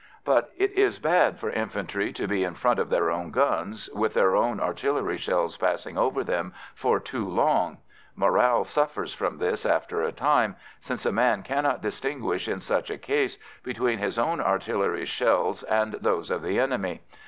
But it is bad for infantry to be in front of their own guns, with their own artillery shells passing over them, for too long morale suffers from this after a time, since a man cannot distinguish in such a case between his own artillery's shells and those of the enemy.